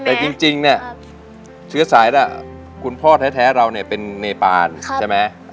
แต่จริงเนี่ยเชื้อสายแล้วคุณพ่อแท้เราเนี่ยเป็นเนปานใช่ไหม